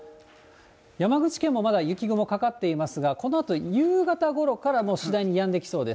山口県もまだ雪雲かかっていますが、このあと夕方ごろからもう次第にやんできそうです。